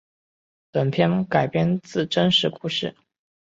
本片改编自真实故事。